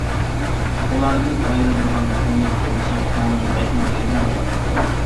ئۇلاردىن ئايرىلىدىغانلىقىمنى ئويلىسام كۆڭلۈم بەكمۇ يېرىم بولاتتى.